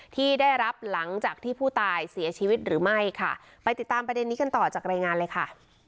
ที่ได้รับหลังจากที่ผู้ตายเสียชีวิตหรือไม่ค่ะไปติดตามประเด็นนี้กันต่อจากรายงานเลยค่ะ